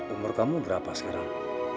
umur kamu berapa sekarang